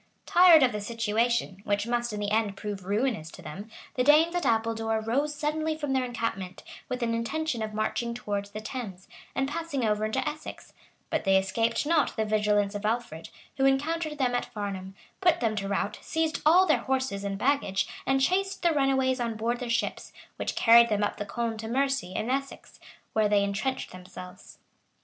Tired of this situation, which must in the end prove ruinous to them, the Danes at Apuldore rose suddenly from their encampment, with an intention of marching towards the Thames, and passing over into Essex: but they escaped not the vigilance of Alfred, who encountered them at Farnham, put them to rout,[] seized all their horses and baggage, and chased the runaways on board their ships, which carried them up the Colne to Mersey, in Essex, where they intrenched themselves.